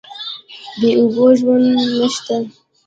بې اوبو ژوند نشته.